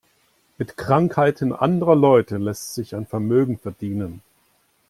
Mit Krankheiten anderer Leute lässt sich ein Vermögen verdienen.